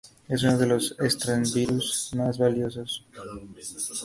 Es uno de los Stradivarius más valiosos.